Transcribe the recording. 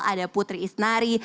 ada putri isnari